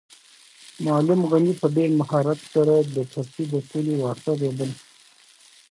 معلم غني په ډېر مهارت سره د پټي د پولې واښه رېبل.